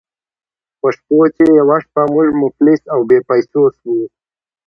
په شپو کې یوه شپه موږ مفلس او بې پیسو شوو.